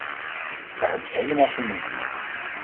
Daar heb ik helemaal geen moeite mee.